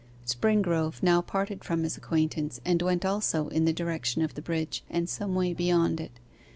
Springrove now parted from his acquaintance, and went also in the direction of the bridge, and some way beyond it.